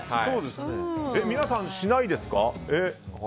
皆さん、しないですか？